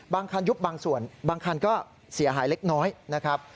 บางคันยุบบางส่วนบางคันก็เสียหายเล็กน้อยนะครับ